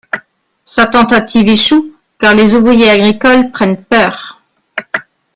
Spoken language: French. Sa tentative échoue car les ouvriers agricoles prennent peur.